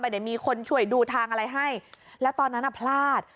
ไม่ได้มีคนช่วยดูทางอะไรให้แล้วตอนนั้นน่ะพลาด